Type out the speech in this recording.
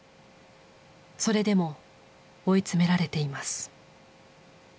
それでも追い詰められています。